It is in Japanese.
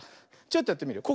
ちょっとやってみるよ。